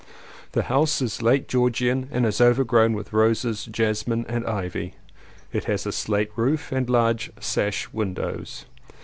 The house is late Georgian and is overgrown with roses, jasmine and ivy; it has a slate roof and large sash windows.